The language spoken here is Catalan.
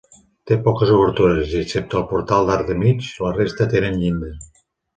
Té poques obertures i, excepte el portal d'arc de mig, la resta tenen llinda.